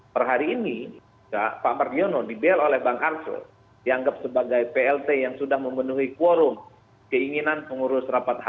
per hari ini pak mardiono dibela oleh bang arsul dianggap sebagai plt yang sudah memenuhi quorum keinginan pengurus rapat